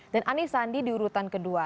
dan ani sandi di urutan kedua